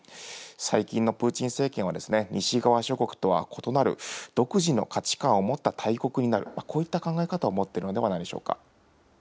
最近のプーチン政権は、西側諸国とは異なる、独自の価値観を持った大国になる、こういった考え方を持っているのではないでしょう